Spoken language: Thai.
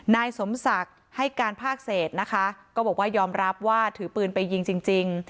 นายสมศักดิ์ให้การภาคเศษนะคะก็บอกว่ายอมรับว่าถือปืนไปยิงจริง